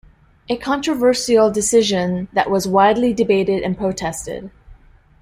A controversial decision that was widely debated and protested.